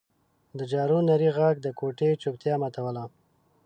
د جارو نري غږ د کوټې چوپتیا ماتوله.